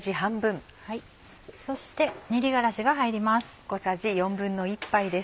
そして練り辛子が入ります。